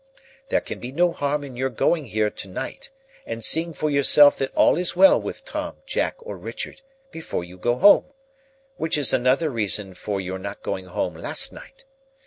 There can be no harm in your going here to night, and seeing for yourself that all is well with Tom, Jack, or Richard, before you go home,—which is another reason for your not going home last night.